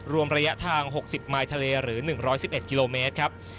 รวมระยะทาง๖๐มายทะเลหรือ๑๑๑กิโลเมตรครับ